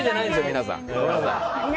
皆さん。